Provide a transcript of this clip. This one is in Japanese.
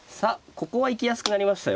ここは行きやすくなりましたよ